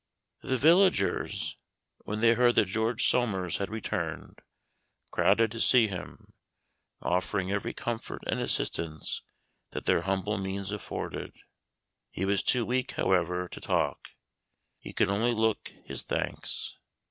The villagers, when they heard that George Somers had returned, crowded to see him, offering every comfort and assistance that their humble means afforded. He was too weak, however, to talk he could only look his thanks.